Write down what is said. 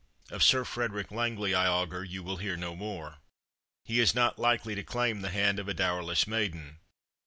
Of Sir Frederick Langley, I augur, you will hear no more. He is not likely to claim the hand of a dowerless maiden.